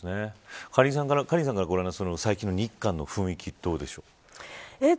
カリンさんからご覧になって最近の日韓の雰囲気はどうでしょう。